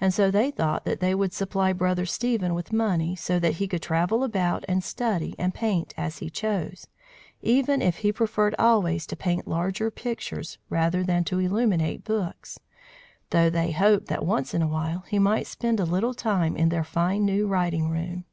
And so they thought that they would supply Brother Stephen with money so that he could travel about and study and paint as he chose, even if he preferred always to paint larger pictures rather than to illuminate books; though they hoped that once in awhile he might spend a little time in their fine new writing room.